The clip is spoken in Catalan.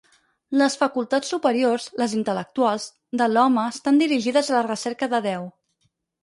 Les facultats superiors, les intel·lectuals, de l'home estan dirigides a la recerca de Déu.